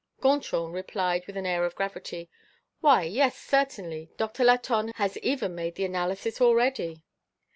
Gontran replied with an air of gravity: "Why, yes, certainly; Doctor Latonne has even made the analysis already."